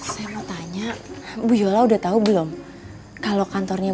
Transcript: saya mau tanya